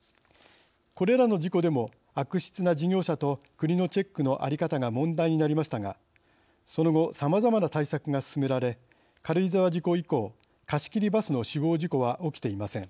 これらの事故でも悪質な事業者と国のチェックの在り方が問題になりましたがその後さまざまな対策が進められ軽井沢事故以降貸し切りバスの死亡事故は起きていません。